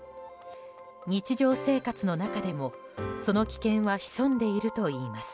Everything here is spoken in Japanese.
日常生活の中でも、その危険は潜んでいるといいます。